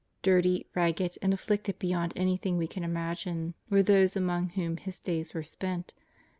Dirty, ragged, and afflicted beyond anything we can imagine, were those among whom His days were spent.